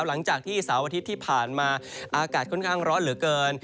หลังจากที่เสาร์อาทิตย์ที่ผ่านมาอากาศค่อนข้างร้อนเหลือเกิน